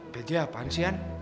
peje apaan sih an